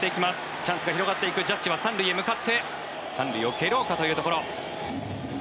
チャンスが広がっていくジャッジは３塁に向かって３塁を蹴ろうかというところ。